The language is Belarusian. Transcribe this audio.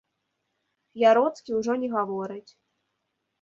Яроцкі ўжо не гаворыць.